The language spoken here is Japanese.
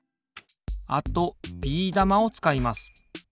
あとビー玉をつかいます。